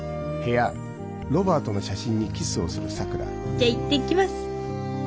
じゃ行ってきます。